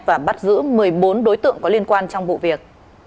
và bắt giữ một mươi bốn đối tượng có liên quan trong vụ việc